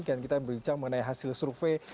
dan kita berbincang mengenai hasil survei